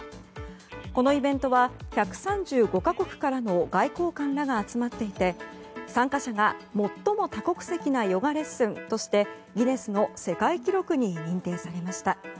このイベントは１３５か国からの外交官らが集まっていて、参加者が最も多国籍なヨガレッスンとしてギネスの世界記録に認定されました。